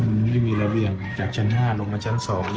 มันไม่มีระเบียงจากชั้น๕ลงมาชั้น๒ย้ายตัวเลย